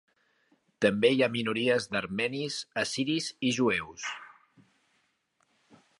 També hi ha minories d'armenis, assiris i jueus.